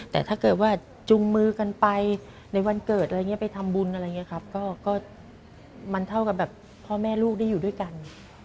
แต่ถ้าเกิดว่าจุงมือกันไปในวันเกิดอะไรอย่างนี้ไปทำบุญอะไรอย่างนี้ครับก็มันเท่ากับแบบพ่อแม่ลูกได้อยู่ด้วยกัน